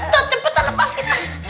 dot cepetan lepasin ya